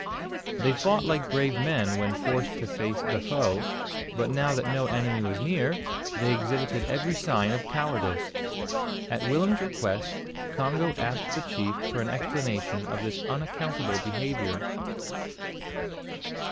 They fought like brave men when forced to face the foe but now that no enemy was near, they exhibited every sign of cowardice! At Willem's request, Congo asked the chief for an explanation of this unaccountable behaviour.